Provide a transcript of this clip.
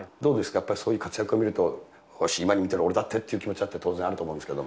やっぱりそういう活躍を見ると、よし、今に見てろ、俺だってっていう気持ち、当然あると思うんですけど。